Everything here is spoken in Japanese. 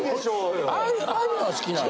ああいうの好きなんや。